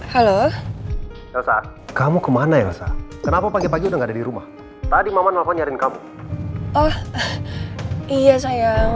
halo kamu kemana yosa kenapa pagi pagi enggak ada di rumah tadi mama nelfon nyari kamu oh iya sayang